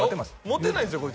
モテないんですよ